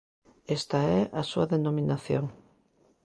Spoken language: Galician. Esta é a súa denominación.